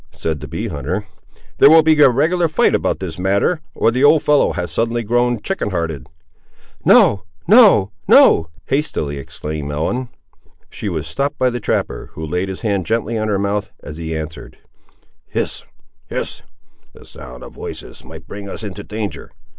said the bee hunter. "There will be a regular fight about this matter, or the old fellow has suddenly grown chicken hearted." "No—no—no," hastily exclaimed Ellen. She was stopped by the trapper, who laid his hand gently on her mouth, as he answered— "Hist—hist!—the sound of voices might bring us into danger.